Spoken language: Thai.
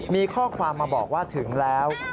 มีข้อความมาบอกว่าถึงแล้ว